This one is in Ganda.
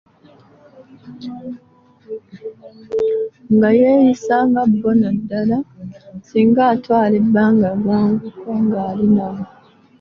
Nga yeeyisa nga bo naddala singa atwala ebbanga ggwanvuko nga ali nabo.